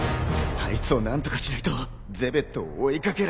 あいつを何とかしないとゼベットを追い掛けられない。